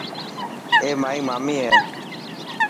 اي مائي مامي هي.